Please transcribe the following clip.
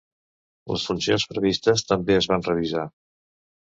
Les funcions previstes també es van revisar.